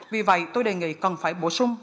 vì vậy tôi đề nghị cần phải bổ sung